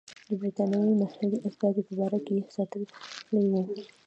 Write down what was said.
د برټانیې محلي استازی په دربار کې ساتلی وو.